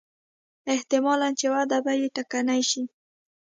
احتمالاً چې وده به یې ټکنۍ شي.